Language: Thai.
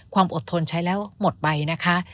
ความอดทนใช้แล้วหมดไปนะคะ